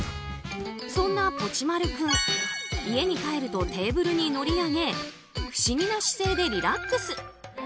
そんなぽち丸君、家に帰るとテーブルに乗り上げ不思議な姿勢でリラックス。